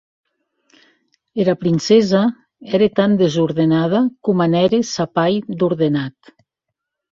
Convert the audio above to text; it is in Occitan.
Era princessa ère tan desordenada, coma n’ère sa pair d’ordenat.